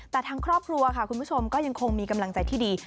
แต่ทางครอบครัวค่ะคุณผู้ชมก็ยังคงมีกำลังใจที่ดี